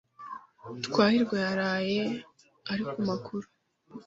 Twahirwa yaraye ari ku makuru.